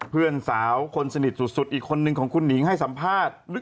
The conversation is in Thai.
เพื่อนสาวคนสนิทสุดอีกคนนึงของคุณหนิงให้สัมภาษณ์